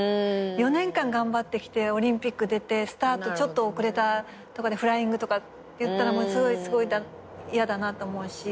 ４年間頑張ってきてオリンピック出てスタートちょっと遅れたとかでフライングとかっていったらすごいやだなって思うし。